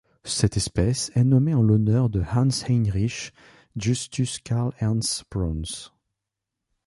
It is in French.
Cette espèce est nommée en l'honneur de Hans Heinrich Justus Carl Ernst Brauns.